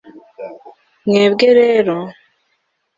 mwebwe rero